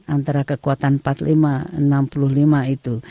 antara kekuatan empat puluh lima enam puluh lima itu